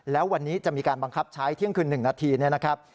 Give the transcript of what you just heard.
แล้ววันนี้จะมีการบังคับใช้เที่ยงคืน๑นาทีเนี่ยนะครับ